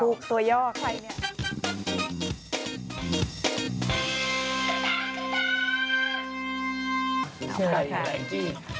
ตัวย่อใครเนี่ย